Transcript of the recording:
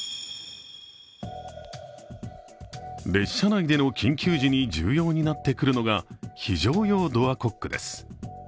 列車内での緊急時に重要になってくるのが非常用ドアコックです。